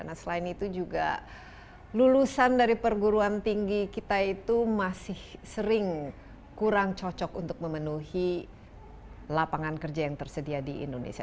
nah selain itu juga lulusan dari perguruan tinggi kita itu masih sering kurang cocok untuk memenuhi lapangan kerja yang tersedia di indonesia